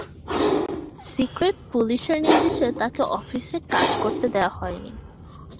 Secret পুলিশের নির্দেশে তাকে অফিসে কাজ করতে দেয়া হয়নি।